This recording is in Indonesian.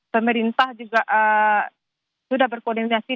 pemerintah juga sudah berkoordinasi